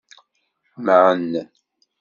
Mɛen.